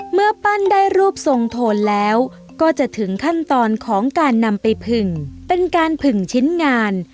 เมื่อปั้นได้รูปทรงโทนแล้วก็จะถึงขั้นตอนของการนำไปผึ่งเป็นการผึ่งชิ้นงาน